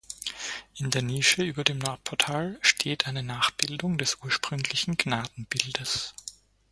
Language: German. In der Nische über dem Nordportal steht eine Nachbildung des ursprünglichen Gnadenbildes.